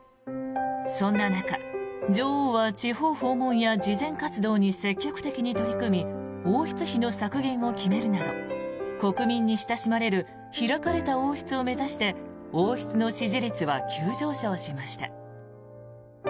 そんな中、女王は地方訪問や慈善活動に積極的に取り組み王室費の削減を決めるなど国民に親しまれる開かれた王室を目指して王室の支持率は急上昇しました。